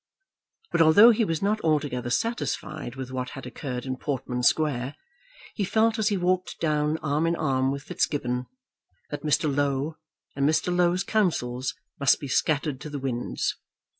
But although he was not altogether satisfied with what had occurred in Portman Square, he felt as he walked down arm in arm with Fitzgibbon that Mr. Low and Mr. Low's counsels must be scattered to the winds.